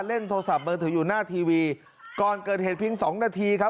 เล่นโทรศัพท์มือถืออยู่หน้าทีวีก่อนเกิดเหตุเพียงสองนาทีครับ